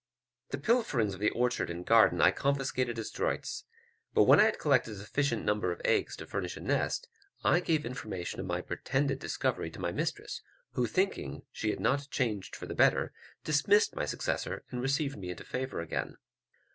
The pilferings of the orchard and garden I confiscated as droits; but when I had collected a sufficient number of eggs to furnish a nest, I gave information of my pretended discovery to my mistress, who, thinking she had not changed for the better, dismissed my successor, and received me into favour again.